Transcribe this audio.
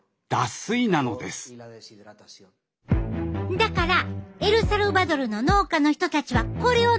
だからエルサルバドルの農家の人たちはこれを飲んでんねん。